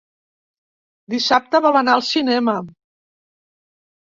Dissabte vol anar al cinema.